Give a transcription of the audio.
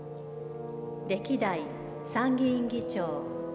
歴代参議院議長。